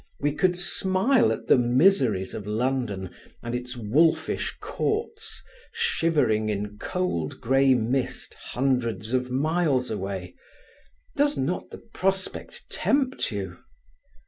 We could smile at the miseries of London and its wolfish courts shivering in cold grey mist hundreds of miles away. Does not the prospect tempt you?"